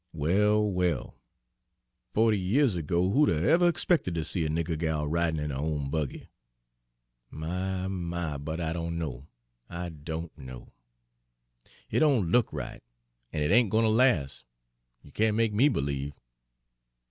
Well, well! Fo'ty yeahs ago who'd 'a' ever expected ter see a nigger gal ridin' in her own buggy? My, my! but I don' know, I don' know! It don' look right, an' it ain' gwine ter las'! you can't make me b'lieve!"